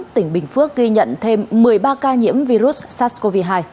tỉnh bình phước ghi nhận thêm một mươi ba ca nhiễm virus sars cov hai